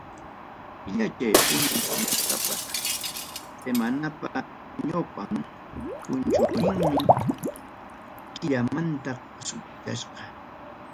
Killachay punchaw nisqaqa semanapa ñawpaq punchawninmi, killamanta sutichasqa.